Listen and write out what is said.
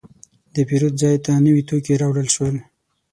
د پیرود ځای ته نوي توکي راوړل شول.